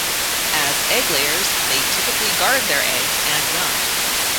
As egg-layers, they typically guard their eggs and young.